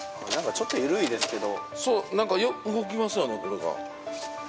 ちょっと緩いですけど。